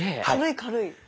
軽い軽い。